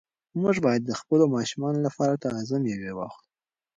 موږ باید د خپلو ماشومانو لپاره تازه مېوې واخلو.